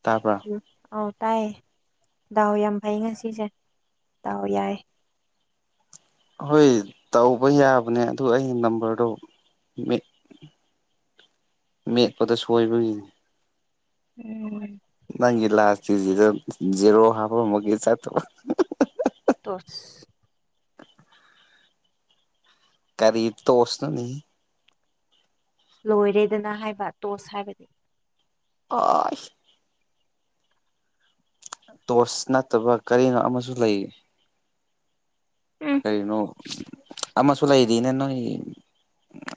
ꯇꯥꯕ꯭ꯔꯥ ꯎ ꯑ ꯇꯥꯏꯌꯦ ꯗꯥꯎ ꯌꯥꯝ ꯐꯩ ꯉꯁꯤꯁꯦ ꯗꯥꯎ ꯌꯥꯏ ꯍꯣꯏ ꯇꯧꯕ ꯌꯥꯕꯅꯦ ꯑꯗꯨ ꯑꯩꯒꯤ ꯅꯝꯕꯔꯗꯣ ꯃꯤꯠ ꯃ ꯀꯗ ꯁꯣꯏꯣꯏꯕꯦ ꯎꯝ ꯅꯪꯒꯤ ꯂꯥꯁꯇꯁꯤꯗ ꯖꯦꯔꯣ ꯍꯥꯞꯄ ꯑꯃꯒꯤ ꯆꯠꯇꯕ ꯇꯣꯔꯁ ꯀꯔꯗ ꯇꯣꯁꯅꯅꯤ ꯂꯣꯏꯔꯦꯗꯅ ꯍꯥꯏꯕ ꯇꯣꯁ ꯍꯥꯏꯕꯅꯤ ꯑꯣ ꯇꯣꯔꯁ ꯅꯠꯇꯕ ꯀꯔꯤꯅꯣ ꯑꯃꯁꯨ ꯂꯩ ꯎꯝ ꯀꯔꯤꯅ ꯑꯁꯨꯨ ꯂꯩꯥꯏꯔꯤꯅꯦ ꯅ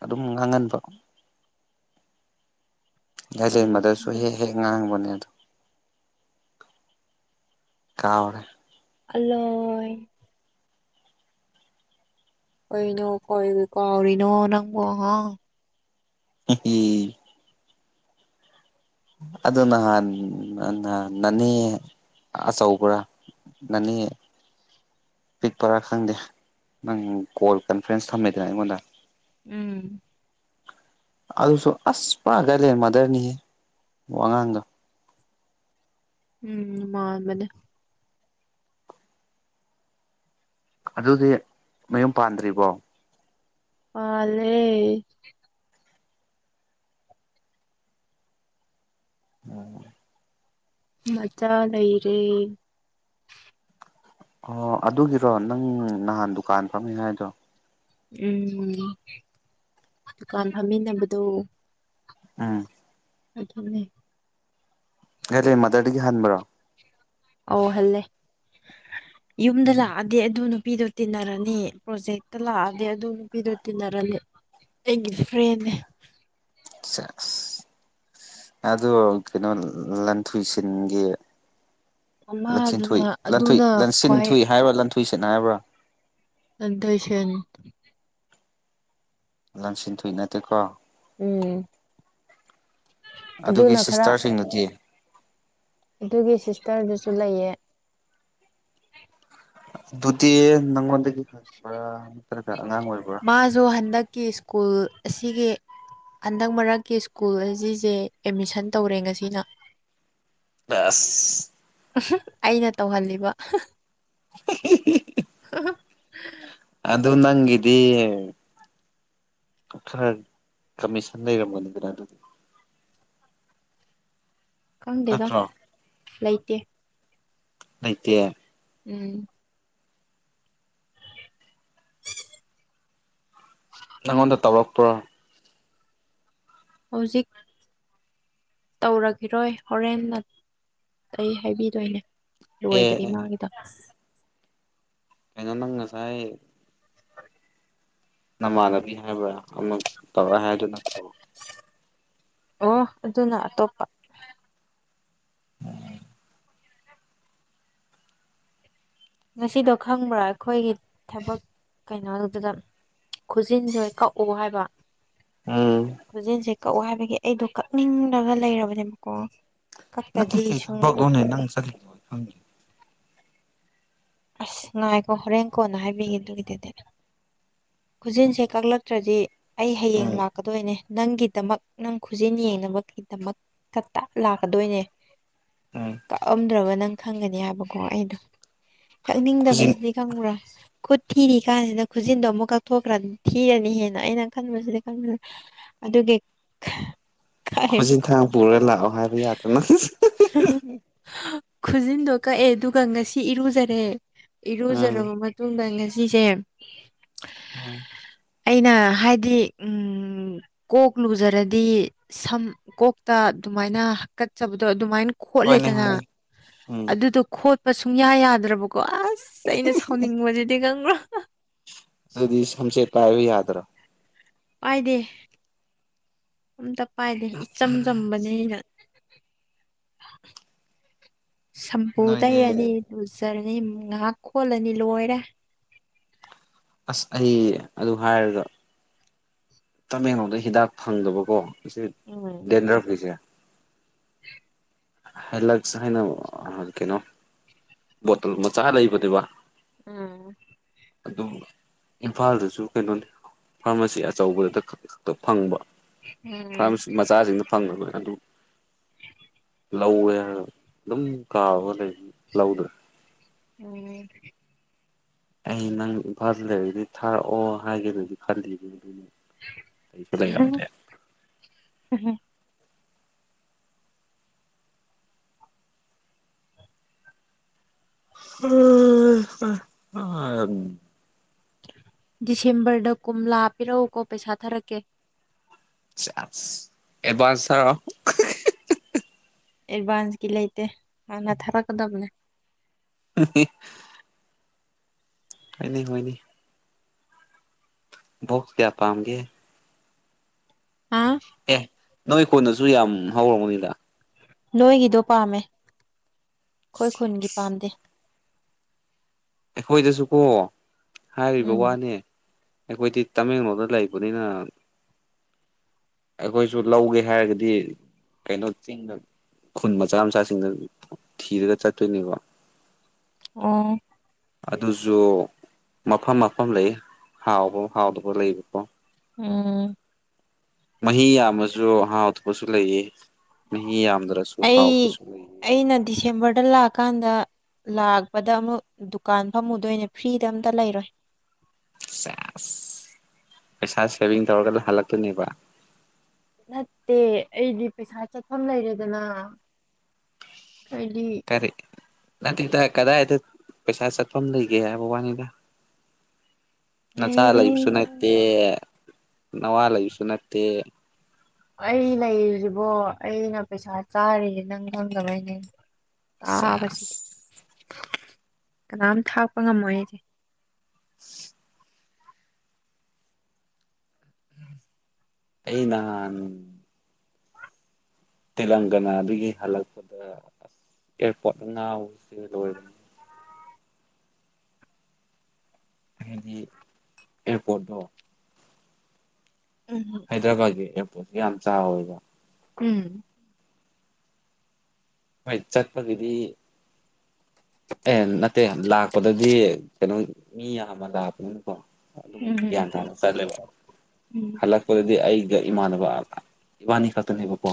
ꯑꯗꯨꯝ ꯉꯥꯡꯍꯟꯕ ꯑꯩꯁ ꯀꯔꯤꯅꯣ ꯃꯗꯁꯨ ꯍꯦꯛ ꯍꯦꯛ ꯉꯥꯡꯕꯅꯦ ꯀꯥꯔꯦ ꯄꯂꯣꯏ ꯑꯩꯣꯏꯅꯣ ꯀꯣꯏ ꯀꯣꯥꯎꯔꯤꯅꯣ ꯅꯪꯉꯣ ꯍꯥ ꯍꯝ ꯑꯗꯨ ꯅꯍꯥꯟ ꯅꯍꯥꯟ ꯅꯅꯦ ꯑꯆꯧꯕ꯭ꯔꯥ ꯅꯅꯤ ꯄꯤꯛꯄꯔꯥ ꯈꯪꯗꯦ ꯅꯪ ꯀꯣꯜ ꯀꯟꯐ꯭ꯔꯦꯟꯁ ꯊꯝꯃꯦꯗꯅ ꯑꯩꯉꯣꯟꯗ ꯎꯝ ꯑꯗꯨꯁꯨ ꯑꯁ ꯄꯥꯈꯂꯦ ꯃꯗꯔꯅꯤꯍꯦ ꯋꯥꯉꯥꯡꯗ ꯎꯝ ꯃꯥ ꯃꯅꯦ ꯑꯗꯨꯗꯤ ꯃꯌꯨꯝ ꯄꯥꯟꯗ꯭ꯔꯤꯕꯣ ꯄꯥꯂꯦ ꯎꯝ ꯃꯖꯥ ꯂꯩ ꯂꯩꯔꯦ ꯑꯣ ꯑꯗꯨꯒꯤꯔꯣ ꯅꯪ ꯅꯍꯥꯟ ꯗꯨꯀꯥꯟ ꯐꯝꯃꯤ ꯍꯥꯏꯗꯣ ꯎꯝ ꯗꯨꯀꯥꯟ ꯐꯝꯃꯤꯟꯅꯕꯗꯣ ꯎꯝ ꯑꯗꯨꯆ ꯍꯂꯦ ꯃꯗꯔꯗꯒꯤ ꯍꯟꯕ꯭ꯔꯣ ꯑꯧꯍꯜꯂꯦ ꯌꯨꯝꯗ ꯂꯥꯛꯑꯗꯤ ꯑꯗꯨꯅ ꯅꯨꯄꯤꯗꯨꯣ ꯇꯤꯟꯅꯔꯅꯤ ꯄ꯭ꯔꯣꯖꯦꯛꯇ ꯂꯥꯛꯑꯗꯤ ꯑꯗꯨ ꯅꯨꯄꯤꯗꯨꯣ ꯇꯤꯟꯅꯔꯅꯤ ꯍꯦꯒꯗ ꯐ꯭ꯔꯦꯅꯦꯦ ꯑꯆꯥ ꯑꯗꯨ ꯀꯩꯅꯣ ꯂꯟꯊꯣꯏ ꯁꯤꯟꯒꯤ ꯃꯃꯥꯗꯨꯅ ꯂꯟꯆꯟꯊꯣꯏ ꯂꯟꯊꯣꯏ ꯑꯗꯨꯅ ꯈ꯭ꯋꯥꯏ ꯂꯟꯁꯤꯟꯊꯨꯏ ꯍꯥꯏꯕ꯭ꯔꯥ ꯂꯟꯊꯣꯏ ꯁꯤꯠ ꯍꯥꯏꯕ꯭ꯔꯥ ꯑꯗꯁꯟ ꯂꯪꯁꯤꯟ ꯊꯨꯏ ꯅꯠꯇꯦꯀꯣ ꯎꯝ ꯑꯗꯨꯒꯤ ꯑꯗꯨꯅ ꯈꯔ ꯁꯤꯁꯇꯔꯁꯤꯡꯗꯨꯗꯤ ꯑꯗꯨꯒꯤ ꯁꯤꯁꯇꯔꯗꯨꯁꯨ ꯂꯩꯌꯦ ꯑꯗꯨꯇꯤ ꯅꯪꯉꯣꯟꯗꯒꯤ ꯍꯪꯕ꯭ꯔꯥ ꯃꯥꯁꯨ ꯍꯟꯗꯛꯀꯤ ꯁ꯭ꯀꯨꯜ ꯑꯁꯤꯒꯤ ꯍꯟꯗꯛ ꯃꯔꯛꯀꯤ ꯁ꯭ꯀꯨꯜ ꯑꯁꯤꯁꯦ ꯑꯦꯠꯃꯤꯁꯟ ꯇꯧꯔꯦ ꯉꯁꯤꯅ ꯕꯦꯁ ꯑꯩꯅ ꯇꯧꯍꯜꯂꯤꯕ ꯑꯗꯨ ꯅꯪꯒꯤꯗꯤ ꯈꯔ ꯀꯃꯤꯁꯟ ꯂꯩꯔꯝꯒꯅꯤꯗꯅ ꯑꯗꯨꯒꯤ ꯈꯪꯗꯦꯗ ꯅꯠꯇ꯭ꯔꯣ ꯂꯩꯇꯦ ꯂꯩꯇꯦ ꯎꯝ ꯅꯪꯉꯣꯟꯗ ꯇꯧꯔꯛꯄ꯭ꯔꯣ ꯍꯧꯖꯤꯛ ꯇꯧꯔꯛꯈꯤꯔꯣꯏ ꯍꯣꯔꯦꯟꯅ ꯑꯩ ꯍꯥꯏꯕꯤꯗꯣꯏꯅꯦ ꯂꯣꯏꯗ꯭ꯔꯤ ꯑꯦ ꯃꯥꯒꯤ ꯀꯩꯅꯣ ꯅꯪ ꯉꯁꯥꯏ ꯅꯃꯥꯟꯅꯕꯤ ꯍꯥꯏꯕ꯭ꯔꯥ ꯑꯃ ꯇꯧꯔꯥ ꯍꯥꯏꯗꯨ ꯅꯠꯇ꯭ꯔꯣ ꯑꯣ ꯑꯗꯨꯅ ꯑꯇꯣꯞꯄ ꯉꯁꯤꯗꯣ ꯈꯪꯕ꯭ꯔꯥ ꯑꯩꯈꯣꯏꯒꯤ ꯊꯕꯛ ꯀꯩꯅꯣꯗꯨꯗ ꯈꯨꯖꯤꯟꯁꯦ ꯀꯛꯎ ꯍꯥꯏꯕ ꯎꯝ ꯀꯛꯑꯣ ꯍꯥꯏꯕꯒꯤ ꯑꯩꯗꯣ ꯀꯛꯅꯤꯡꯂꯒ ꯂꯩꯔꯕꯅꯦꯕꯀꯣ ꯅꯠꯇꯦ ꯀꯛꯇꯗꯤ ꯀꯩꯅꯣ ꯁꯨꯝ ꯀꯛꯑꯣꯅꯦ ꯅꯪ ꯆꯠꯈꯤꯕ ꯈꯪꯗꯦ ꯑꯁ ꯉꯥꯏꯈꯣ ꯍꯣꯔꯦꯜ ꯀꯣꯟꯅ ꯍꯥꯏꯕꯤꯒꯦ ꯑꯗꯨꯒꯤꯗꯨꯗꯤ ꯈꯨꯖꯤꯟꯁꯦ ꯀꯛꯂꯛꯇ꯭ꯔꯗꯤ ꯑꯩ ꯍꯥꯌꯦꯡ ꯎꯝ ꯂꯥꯛꯀꯗꯣꯏꯅꯦ ꯅꯪꯒꯤꯗꯃꯛ ꯅꯪ ꯈꯨꯖꯤꯟ ꯌꯦꯡꯅꯕꯒꯤꯗꯃꯛ ꯀꯛꯇ ꯂꯥꯛꯀꯗꯣꯏꯅꯦ ꯎꯝ ꯀꯛꯑꯝꯗ꯭ꯔꯕ ꯅꯪ ꯈꯪꯒꯅꯤ ꯍꯥꯏꯕꯀꯣ ꯑꯩꯅ ꯈꯨꯖꯤꯟ ꯀꯛꯅꯤꯡꯗꯕꯁꯤꯗꯤ ꯈꯪꯕ꯭ꯔꯥ ꯈꯨꯠ ꯊꯤꯔꯤ ꯀꯥꯟꯁꯤꯗ ꯈꯨꯖꯤꯟꯗꯣ ꯑꯃꯨꯛ ꯀꯛꯊꯣꯛꯈ꯭ꯔꯗꯤ ꯊꯤꯔꯅꯤ ꯍꯦꯟꯅ ꯑꯩꯅ ꯈꯟꯕꯁꯤꯗꯤ ꯈꯟꯕꯁꯤꯗꯤ ꯑꯗꯨꯒꯤ ꯈꯨꯖꯤꯟ ꯀꯥꯏꯕꯀꯣ ꯊꯥꯡ ꯄꯨꯔ ꯂꯥꯛꯑꯣ ꯍꯥꯏꯕ ꯌꯥꯗ꯭ꯔ ꯅꯪ ꯈꯨꯖꯤꯟꯗꯣ ꯀꯛꯑꯦ ꯑꯗꯨꯒ ꯉꯁꯤ ꯏꯔꯨꯖꯔꯦ ꯎꯝ ꯏꯔꯨꯖꯔꯕ ꯃꯇꯨꯡꯗ ꯉꯁꯤꯁꯦ ꯑꯥ ꯑꯩꯅ ꯍꯥꯏꯗꯤ ꯎꯝ ꯀꯣꯛ ꯂꯨꯖꯔꯗꯤ ꯁꯝ ꯀꯣꯛꯇ ꯑꯗꯨꯃꯥꯏꯅ ꯍꯥꯀꯠꯆꯕꯗꯣ ꯑꯗꯨꯃꯥꯏꯅ ꯍꯣꯏꯅꯦ ꯈꯣꯠꯂꯦꯗꯅ ꯍꯣꯏꯅꯦ ꯎꯝ ꯑꯗꯨꯗꯣ ꯈꯣꯠꯄ ꯁꯨꯡꯌꯥ ꯌꯥꯗ꯭ꯔꯕ ꯀꯣ ꯑꯁ ꯑꯩꯅ ꯁꯥꯎꯅꯤꯡꯕꯁꯤꯗꯤ ꯈꯪꯕ꯭ꯔꯥ ꯑꯗꯨꯗꯤ ꯁꯝꯆꯦꯠ ꯄꯥꯏꯕ ꯌꯥꯗ꯭ꯔꯣ ꯄꯥꯏꯗꯦ ꯑꯝꯇ ꯄꯥꯏꯗꯦ ꯏꯆꯝ ꯆꯝꯕꯅꯤꯅ ꯁꯝꯄꯨ ꯅꯣꯏꯗꯤ ꯇꯩꯔꯅꯤ ꯂꯨꯖꯔꯅꯤ ꯑꯗꯩꯩ ꯉꯥꯏꯍꯥꯛ ꯈꯣꯠꯂꯅꯤ ꯂꯣꯏꯔꯦ ꯑꯁ ꯑꯩ ꯑꯗꯨ ꯍꯥꯏꯔꯒ ꯇꯥꯃꯦꯡꯂꯣꯡꯗ ꯍꯤꯗꯥꯛ ꯐꯪꯗꯕꯀꯣ ꯏꯆꯦ ꯎꯝ ꯗꯦꯟꯗ꯭ꯔꯞ ꯀꯤꯁꯦ ꯍꯂꯛꯁ ꯍꯥꯏꯅ ꯀꯩꯅꯣ ꯕꯣꯇꯜ ꯃꯆꯥ ꯂꯩꯕꯅꯦꯕ ꯑꯝ ꯑꯗꯨꯝ ꯏꯝꯐꯥꯜꯗꯁꯨ ꯀꯩꯅꯣꯅꯤ ꯐꯥꯔꯃꯥꯁꯤ ꯑꯆꯧꯕꯗ ꯈꯛꯇ ꯐꯪꯕ ꯎꯝ ꯐꯪꯒ ꯂꯣꯏ ꯑꯗꯨ ꯂꯧꯋꯦ ꯍꯥꯏꯔꯒ ꯑꯗꯨꯝ ꯀꯥꯔꯒ ꯂꯩ ꯂꯧꯗ꯭ꯔꯦ ꯎꯝ ꯑꯩ ꯅꯪ ꯏꯝꯐꯥꯜ ꯂꯩꯔꯗꯤ ꯊꯥꯔꯛꯑꯣ ꯍꯥꯏꯒꯦꯗꯨꯗꯤ ꯈꯜꯂꯤꯕ ꯑꯗꯨꯅꯦ ꯑꯩꯩꯁꯨ ꯂꯩꯔꯝꯗ ꯎꯝ ꯎ ꯗꯤꯁꯦꯝꯕꯔꯗ ꯀꯨꯝꯂꯥ ꯄꯤꯔꯛꯎꯀꯣ ꯄꯩꯁꯥ ꯊꯥꯔꯛꯀꯦ ꯆ ꯑꯦꯗꯚꯥꯟꯁ ꯊꯔ ꯑꯦꯗꯚꯥꯟꯁꯀꯤ ꯂꯩꯇ ꯍꯅ ꯊꯔꯥ ꯀꯗꯕꯅꯦꯦ [inaudible] ꯍꯅꯦ ꯍꯅꯤ ꯣꯛ ꯀꯌꯥ ꯄꯥꯝꯒꯦ ꯍꯥ ꯑꯦ ꯅꯣꯏ ꯀꯣꯟꯅꯁꯨ ꯌꯥꯝ ꯍꯧꯔꯔꯕꯅꯤꯗ ꯅꯣꯏꯒꯤꯗꯣ ꯄꯥꯝꯃꯦ ꯑꯩꯈꯣꯏ ꯈꯨꯟꯒꯤ ꯄꯥꯝꯗꯦ ꯑꯩꯈꯣꯏꯗꯁꯨ ꯀꯣ ꯍꯥꯏꯔꯤꯕ ꯎꯝ ꯋꯥꯅꯦ ꯑꯩꯈꯣꯏꯗꯤ ꯇꯃꯦꯡꯂꯣꯗ ꯂꯩꯕꯅꯤꯅ ꯑꯩꯈꯣꯏꯁꯨ ꯂꯧꯒꯦ ꯍꯥꯏꯔꯒꯗꯤ ꯀꯩꯅꯣ ꯆꯤꯡꯗ ꯈꯨꯟ ꯃꯆꯥ ꯃꯆꯥꯁꯤꯡꯅ ꯊꯤꯔꯒ ꯆꯠꯇꯣꯏꯅꯤꯀꯣ ꯑꯣ ꯑꯗꯨꯁꯨ ꯃꯐꯝ ꯃꯐꯝ ꯂꯩ ꯍꯥꯎꯕ ꯍꯥꯎꯗꯕ ꯂꯩꯕꯀꯣ ꯎꯝ ꯃꯍꯤ ꯌꯥꯝꯃꯁꯨ ꯍꯥꯥꯎ ꯑꯇꯣꯄꯁꯨ ꯂꯩꯌꯦ ꯅ ꯌꯥꯝꯗ꯭ꯔꯁꯨ ꯍꯥꯎꯄꯁꯨ ꯂꯩ ꯂꯀꯥꯟꯗ ꯂꯥꯛꯄꯗ ꯑꯃꯨꯛ ꯗꯨꯀꯥꯟ ꯐꯝꯃꯨꯗꯣꯏꯅꯦ ꯐ꯭ꯔꯤꯗ ꯑꯝꯇ ꯂꯩꯔꯣꯏ ꯄꯩꯁꯥ ꯁꯦꯚꯡ ꯇꯔ ꯀ ꯍꯜ ꯂꯇꯅꯦꯕ ꯅꯠꯇꯦ ꯑꯩꯗꯤ ꯄꯩꯁꯥ ꯆꯠꯐꯝ ꯂꯩꯔꯦꯗꯅ ꯀꯗꯤ ꯅꯥꯊ ꯀꯗꯥꯏꯗ ꯄꯩꯁꯥ ꯆꯠꯐꯝ ꯂꯩꯒꯦ ꯍꯥꯏꯕꯕꯥꯅꯤꯗ ꯅꯆꯥ ꯂꯩꯔꯦ ꯂꯩꯁꯨꯁꯨ ꯅꯠꯇꯦ ꯅꯋꯥ ꯂꯩꯕꯁꯨ ꯅꯠꯇꯦ ꯑꯩ ꯂꯩꯔꯤꯁꯤꯕꯣ ꯑꯩꯅ ꯄꯩꯁꯥ ꯆꯥꯔꯤꯁꯦ ꯅꯪ ꯈꯪꯗꯕꯩꯅꯦ ꯑꯕꯁꯤ ꯁꯦꯁ ꯀꯅꯥꯝ ꯊꯥꯛꯄ ꯉꯝꯃꯣꯏ ꯑꯩꯁꯦ ꯑꯩ ꯅꯥꯟ ꯇꯦꯂꯪꯒꯅꯥꯗꯒꯤ ꯍꯜꯂꯛꯄꯗ ꯑꯦ ꯄꯠꯅ ꯂ ꯑꯣꯏꯕ ꯍꯥꯏꯗꯤ ꯑꯦꯌꯥꯔꯄꯣꯔꯠꯇꯠꯇꯣ ꯎꯝ ꯍꯥꯏꯗ꯭ꯔꯕꯥꯠꯀꯤ ꯑꯦꯌꯥꯔꯄꯣꯔꯠꯁꯨ ꯌꯥꯝ ꯆꯥꯎꯋꯦꯕ ꯎꯝ ꯃ ꯆꯠ ꯄꯒꯗꯤ ꯑꯦ ꯅꯠꯇꯦ ꯂꯥꯛꯄꯗꯗꯤ ꯀꯩꯅꯣ ꯃꯤ ꯑꯕ ꯂꯥꯛꯄꯅꯤ ꯑꯗꯨꯝ ꯎꯝ ꯒ꯭ꯌꯥꯟ ꯇꯥꯅ ꯆꯠꯂꯦꯕ ꯎꯝ ꯍꯜꯂꯛꯄꯗꯗꯤ ꯑꯩ ꯏꯃꯥꯟꯕ ꯏꯃ ꯈ ꯕꯀꯣ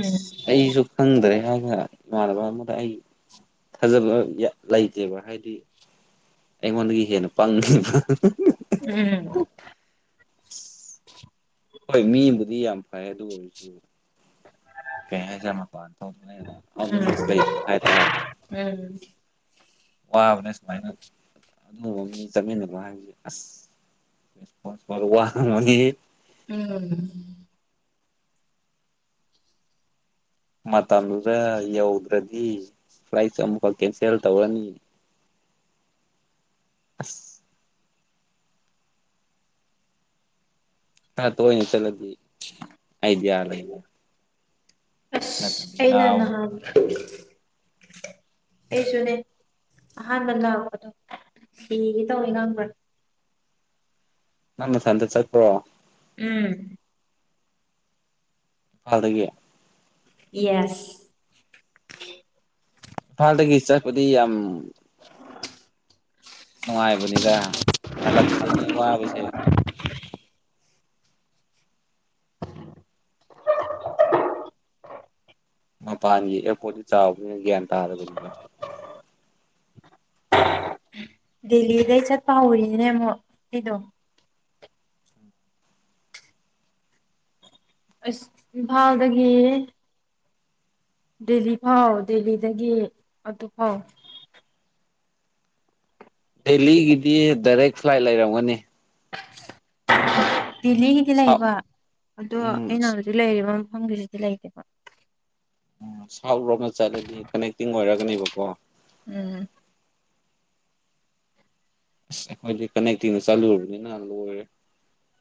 ꯑꯁ ꯑꯩꯁꯨ ꯈꯪꯗ꯭ꯔꯦ ꯍꯥꯏ ꯍ ꯃꯥꯅꯕ ꯃꯗ ꯍꯥꯏ ꯊꯥꯖꯕ ꯂꯩꯇꯦꯕ ꯍꯥꯏꯗꯤ ꯑꯩꯉꯣꯟꯗꯒꯤ ꯍꯦꯟꯅ ꯄꯪꯈꯤꯕ ꯎꯝ ꯍꯣꯏ ꯃꯤꯕꯨꯗꯤ ꯌꯥꯝ ꯐꯩ ꯑꯗꯨ ꯑꯣꯏꯔꯁꯨ ꯀꯩ ꯍꯥꯏꯁꯦ ꯃꯄꯥꯟꯗꯅ ꯑꯪꯒꯣꯦꯖ ꯂꯩꯗꯕ ꯍꯥꯏꯇꯥꯔꯦ ꯎꯝ ꯋꯥꯕꯅꯦ ꯁꯨꯃꯥꯏꯅ ꯑꯗꯨꯒꯨꯝꯕ ꯃꯤ ꯆꯠꯃꯤꯟꯅꯅꯕ ꯍꯥꯏꯕꯁꯦ ꯑꯁ ꯄ ꯋꯥ [unintelligible] ꯎꯝ ꯃꯇꯝꯗꯨꯗ ꯌꯧꯗ꯭ꯔꯗꯤ ꯐ꯭ꯂꯥꯏꯠꯁꯨ ꯑꯃꯨꯛꯈꯛ ꯀꯦꯟꯁꯦꯜ ꯇꯧꯔꯅꯤ ꯑꯁ ꯈꯔ ꯇ‌ꯣꯏꯅ ꯆꯠꯂꯗꯤ ꯑꯥꯏꯗꯤꯌꯥ ꯂꯩꯔꯦ ꯅꯠꯇ꯭ꯔꯗꯤ ꯑꯁ ꯑꯩꯅ ꯉꯥꯎꯕꯅꯦ ꯅꯍꯟ [unintelligible] [unintelligible] ꯑꯩꯁꯨꯅꯦ ꯑꯍꯥꯟꯕ ꯂꯥꯛꯄꯗꯣ ꯁꯤꯒ‌ꯦ ꯇꯧꯋ‌ꯦ ꯉꯥꯡꯕꯔ ꯅꯪ ꯅꯊꯟꯗ ꯆꯠꯄꯔꯣ ꯎꯝ ꯐꯗꯒꯦ ꯌꯦꯁ ꯏꯝꯐꯥꯜꯗꯒꯤ ꯆꯠꯄꯗꯤ ꯌꯥꯝ [unintelligible] ꯅꯨꯡꯉꯥꯏꯕꯅꯤꯗ ꯍꯜꯂꯛꯄꯗꯗꯤ ꯋꯥꯕꯁꯦ ꯃꯄꯥꯟꯒꯤ ꯑꯦꯌꯥꯔꯄꯣꯔꯠꯇ ꯆꯥꯎꯕꯅꯤꯅ ꯒ꯭ꯌꯥꯟ ꯇꯥꯗꯕꯅꯤꯕ ꯗꯦꯜꯂꯤꯗꯩ ꯆꯠꯄ ꯍꯧꯔꯤꯅꯤꯅ‌ꯦ ꯑꯩꯗꯣ ꯑꯁ ꯏꯝꯐꯥꯜꯗꯒꯤ ꯗꯦꯜꯂꯤ ꯐꯥꯎ ꯗꯦꯜꯂꯤꯗꯒꯤ ꯑꯗꯨ ꯐꯥꯎ ꯗꯦꯜꯂꯤꯒꯤꯗꯤ ꯗꯥꯏꯔꯦꯛ ꯐ꯭ꯂꯥꯏꯠ ꯂꯩꯔꯝꯒꯅꯤ ꯗꯦꯜꯂꯤꯒꯤꯗꯤ ꯁꯥꯎꯠ ꯂꯩꯕ ꯑꯗꯣ ꯎꯝ ꯑꯩꯅ ꯍꯧꯖꯤꯛ ꯂꯩꯔꯤꯕ ꯃꯐꯝꯒꯤꯁꯤꯗꯤ ꯂꯩꯇꯦꯕ ꯍꯥꯎꯔꯣꯅ ꯆꯠꯂꯗꯤ ꯀꯅꯦꯛꯇꯤꯡ ꯑꯣꯏꯔꯒꯅꯦꯕꯀꯣ ꯎꯝ ꯑꯁ ꯑꯩꯈꯣꯏꯗꯤ ꯀꯅꯦꯛꯇꯤꯡꯅ ꯆꯠꯂꯨꯔꯕꯅꯤꯅ ꯂꯣꯏꯔꯦ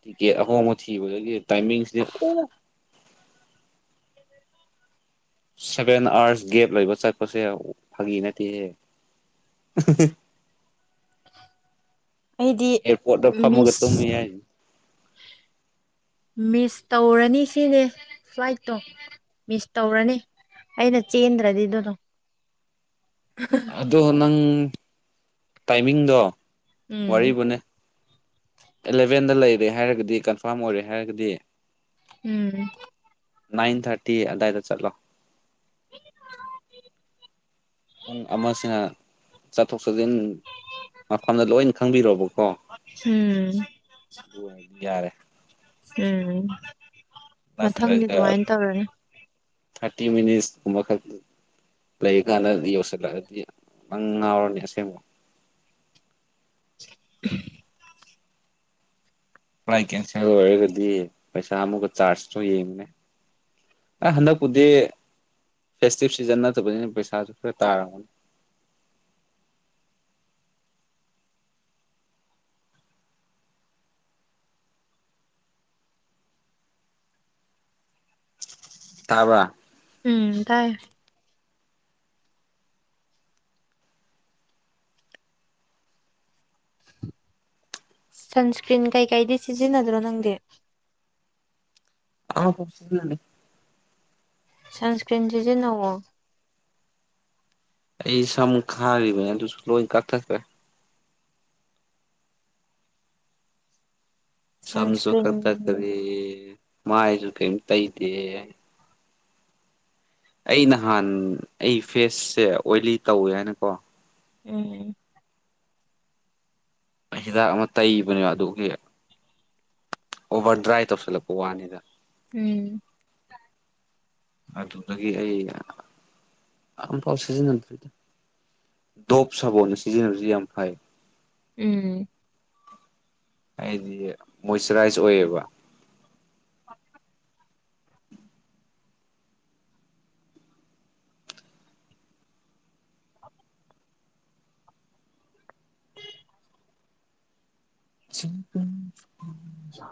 ꯇꯤꯀꯦꯠ ꯑꯍꯣꯡꯕ ꯊꯤꯕꯗꯗꯤ ꯇꯥꯏꯃꯤꯡꯁꯤꯗꯤ ꯑꯣ ꯁꯚꯦꯟ ꯑꯥꯋꯥꯔꯁ ꯒꯦꯞ ꯂꯩꯕ ꯆꯠꯄꯁꯦ ꯐꯥꯒꯤ ꯅꯠꯇꯦꯍꯦ [unintelligible] ꯑꯩꯗꯤ ꯑꯦꯔꯄꯣꯔꯠꯗ ꯐꯥꯝꯃꯒ ꯃꯤꯁ ꯇꯨꯝꯃ‌ꯦ ꯑꯩ ꯃꯤꯁ ꯇꯧꯔꯅꯤ ꯁꯤꯅꯦ ꯐ꯭ꯂꯥꯏꯠꯇꯣ ꯃꯤꯁ ꯇꯧꯔꯅꯤ ꯑꯩꯅ ꯆꯦꯟ꯭ꯗꯔꯗꯤ ꯑꯗꯨ ꯗ‌ꯣ [unintelligible] ꯑꯗꯣ ꯅꯪ ꯇꯥꯏꯃꯤꯡꯗꯣ ꯎꯝ ꯋꯥꯔꯤꯕꯨꯅꯦ ꯑꯦꯂꯚꯦꯟꯗ ꯂꯩꯔꯦ ꯍꯥꯏꯔꯒꯗꯤ ꯀꯟꯐꯥꯔꯝ ꯑꯣꯏꯔꯦ ꯍꯥꯏꯔꯒꯗꯤ ꯎꯝ ꯅꯥꯏꯟ ꯊꯥꯔꯇꯤ ꯑꯗꯥꯏꯗ ꯆꯠꯂꯣ [unintelligible] ꯄꯨꯡ ꯑꯃꯁꯤꯅ ꯆꯠꯊꯣꯛ ꯆꯠꯖꯤꯟ ꯃꯐꯝꯗ ꯂꯣꯏꯅ ꯈꯪꯕꯤꯔ‌ꯣꯕꯀꯣ ꯎꯝ ꯑꯗꯨ ꯑꯣꯏꯔꯗꯤ ꯌꯥꯔꯦ ꯎꯝ ꯃꯊꯪꯗꯤ ꯑꯗꯨꯃꯥꯏꯅ ꯇꯧꯔꯅꯤ ꯊꯔꯇꯤ ꯃꯅꯤꯠꯁ ꯀꯨꯝꯕ ꯂꯩ ꯀꯥꯟꯗꯗꯤ ꯌꯧꯁꯤꯜꯂꯛꯑꯗꯤ ꯅꯪ ꯉꯥꯎꯔꯅꯤ ꯑꯁꯦꯡꯕ [unintelligible] ꯐꯂꯥꯏꯠ ꯀꯦꯟꯁꯦꯜ ꯑꯣꯏꯔꯒꯗꯤ ꯄꯩꯁꯥ ꯑꯃꯨꯛꯀ ꯆꯥꯔꯖꯇꯣ ꯌꯦꯡꯅꯦ ꯑ ꯍꯟꯗꯛꯄꯨꯗꯤ ꯐꯦꯁꯇꯤꯚ ꯁꯤꯖꯟ ꯅꯠꯇꯕꯅꯤꯅ ꯄꯩꯁꯥꯁꯨ ꯈꯔ ꯇꯥꯔꯝ ꯇꯥꯕꯔ ꯎꯝ ꯇꯥꯏꯌꯦ [unintelligible] ꯁꯟꯁꯀ꯭ꯔꯤꯟ ꯀꯩꯀꯩꯗꯤ ꯁꯤꯖꯤꯟꯅꯗ꯭ꯔꯣ ꯅꯪꯗꯤ ꯑ ꯄꯨꯦ ꯁꯟꯁꯀ꯭ꯔꯤꯟꯁꯤꯁꯦ ꯅꯑꯣꯣ ꯑꯩ ꯁꯝꯃ ꯈꯥꯔꯔꯤꯕꯕ ꯁꯂ ꯀꯔ ꯊ꯭ꯔꯦ ꯁꯖꯨ ꯁꯟꯁꯀ꯭ꯔꯤꯟ ꯀ ꯇ ꯀꯔꯤꯦ ꯃꯥꯁꯨꯨ ꯀꯩꯝꯇ ꯏꯗꯦ ꯑꯩ ꯅꯍꯥꯟ ꯑꯩ ꯐꯦꯁꯁꯦ ꯑꯣꯏꯂꯤ ꯇꯧꯋꯦ ꯍꯥꯏꯅꯀꯣ ꯎꯝ ꯍꯤꯗꯥꯛ ꯑꯃ ꯇꯩꯕꯅꯦꯕ ꯑꯗꯨꯒꯤ ꯑꯣꯚꯔ ꯗ꯭ꯔꯥꯏ ꯇꯧꯁꯤꯜꯂꯛꯄ ꯋꯥꯅꯤꯗ ꯎꯝ ꯑꯗꯨꯗꯒꯤ ꯑꯩ ꯑꯝꯐꯥꯎ ꯁꯤꯖꯤꯟꯅꯗ ꯗꯣꯞ ꯁꯥꯕꯅ ꯁꯤꯖꯤꯟꯅꯕꯁꯤ ꯌꯥꯝ ꯐꯩ ꯎꯝ ꯑꯩꯗꯤ ꯃꯣꯏꯆꯔꯥꯏꯁ ꯑꯣꯏꯌꯦꯕ [inaudible] ꯁꯤ ꯆꯥ